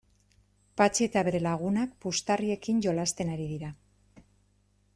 Patxi eta bere lagunak puxtarriekin jolasten ari dira.